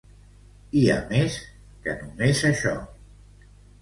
Hi ha més que només això.